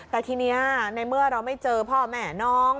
แต่ทีนี้ในเมื่อเราไม่เจอพ่อแม่น้อง